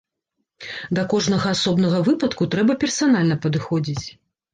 Да кожнага асобнага выпадку трэба персанальна падыходзіць.